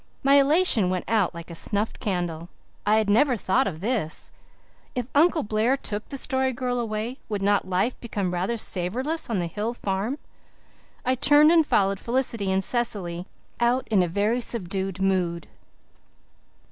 My elation went out like a snuffed candle. I had never thought of this. If Uncle Blair took the Story Girl away would not life become rather savourless on the hill farm? I turned and followed Felicity and Cecily out in a very subdued mood.